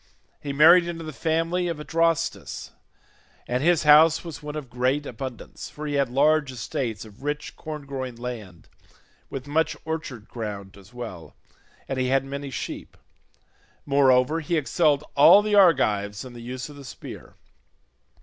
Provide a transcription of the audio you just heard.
He married into the family of Adrastus, and his house was one of great abundance, for he had large estates of rich corn growing land, with much orchard ground as well, and he had many sheep; moreover he excelled all the Argives in the use of the spear.